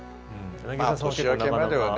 年明けまではね